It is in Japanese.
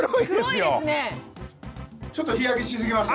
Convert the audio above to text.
ちょっと日焼けしすぎまして。